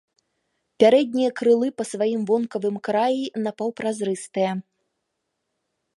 Пярэднія крылы па сваім вонкавым краі напаўпразрыстыя.